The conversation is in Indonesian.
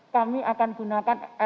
kami akan gunakan